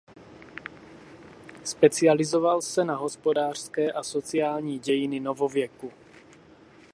Specializoval se na hospodářské a sociální dějiny novověku.